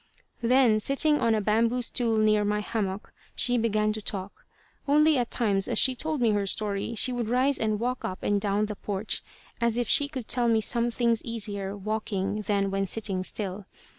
Then, sitting on a bamboo stool near my hammock, she began to talk. Only, at times, as she told me her story, she would rise and walk up and down the porch, as if she could tell some things easier walking than when sitting still.